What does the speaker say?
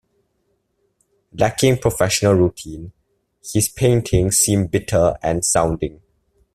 Lacking professional routine his painting seem bitter and sounding.